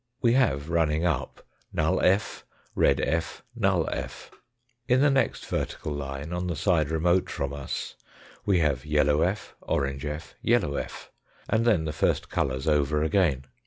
We have running up, null f., red f., null f. In the next vertical line, on the side remote from us, we have yellow f., APPENDIX I 243 orangfr f., yellow f., and then the first colours over again.